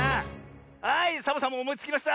はいサボさんもおもいつきました！